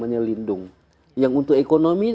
yang namanya lindung yang untuk ekonomi